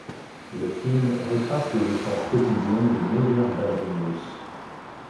Le film retrace les efforts quotidiens des meilleures ballerines russes.